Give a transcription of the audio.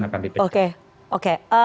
akan dipecah oke oke